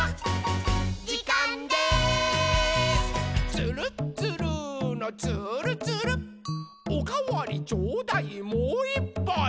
「つるっつるーのつーるつる」「おかわりちょうだいもういっぱい！」